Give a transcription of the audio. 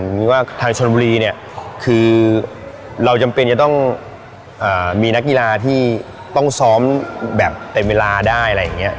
หรือว่าทางชนบุรีเนี่ยคือเราจำเป็นจะต้องมีนักกีฬาที่ต้องซ้อมแบบเต็มเวลาได้อะไรอย่างนี้